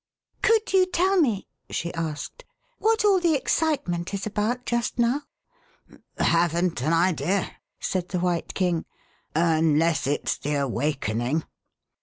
59 The Westminster Alice " Could you tell me," she asked, " what all the excitement is about just now ?"" Haven't an idea," said the White King, " unless it's the awakening."